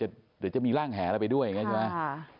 หรือจะมีร่างแหลไปด้วยใช่ไหม